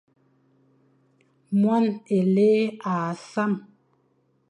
Moan élé âʼa sam.